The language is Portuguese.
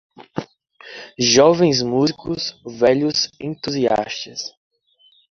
Jovens músicos, velhos entusiastas.